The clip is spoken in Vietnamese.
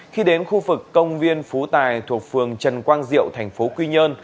khi đến khu vực công viên phú tài thuộc phường trần quang diệu tp quy nhơn